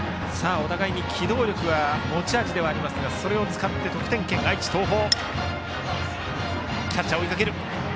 お互いに機動力が持ち味ですがそれを使って得点圏、愛知・東邦。